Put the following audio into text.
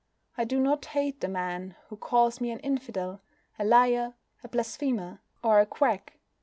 I do not hate the man who calls me an infidel, a liar, a blasphemer, or a quack.